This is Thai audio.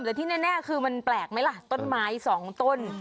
แต่ที่แน่คือมันแปลกไหมล่ะต้นไม้สองต้น